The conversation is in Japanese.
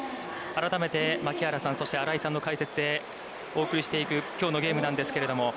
改めて槙原さん、そして新井さんの解説でお送りしていくきょうのゲームなんですけれども。